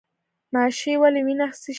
ماشی ولې وینه څښي؟